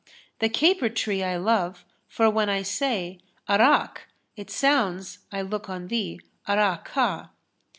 The caper tree I love; for when I say, * 'Arák'[FN#305] it sounds I look on thee, 'Ará ka.'"